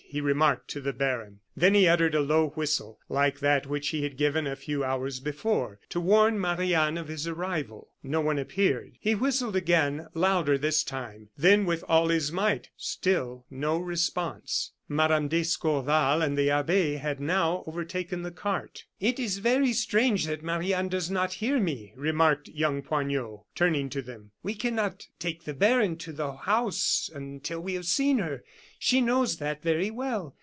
he remarked to the baron. Then he uttered a low whistle, like that which he had given a few hours before, to warn Marie Anne of his arrival. No one appeared; he whistled again, louder this time; then with all his might still no response. Mme. d'Escorval and the abbe had now overtaken the cart. "It is very strange that Marie Anne does not hear me," remarked young Poignot, turning to them. "We cannot take the baron to the house until we have seen her. She knows that very well.